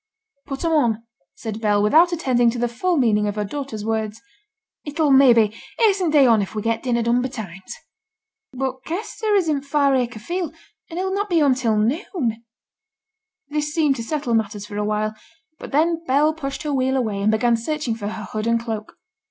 'Put 'em on,' said Bell, without attending to the full meaning of her daughter's words. 'It'll, maybe, hasten t' day on if we get dinner done betimes.' 'But Kester is in t' Far Acre field, and he'll not be home till noon.' This seemed to settle matters for a while; but then Bell pushed her wheel away, and began searching for her hood and cloak.